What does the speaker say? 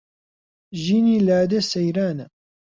ژینی لادێ سەیرانە